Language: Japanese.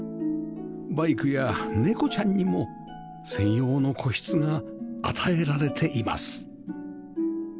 バイクや猫ちゃんにも専用の個室が与えられています